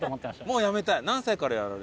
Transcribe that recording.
もうやめたい？